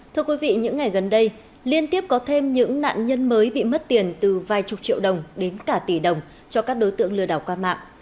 thưa quý vị những ngày gần đây liên tiếp có thêm những nạn nhân mới bị mất tiền từ vài chục triệu đồng đến cả tỷ đồng cho các đối tượng lừa đảo qua mạng